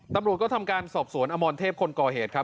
ตำรวจก็ทำการสอบสวนอมรเทพคนก่อเหตุครับ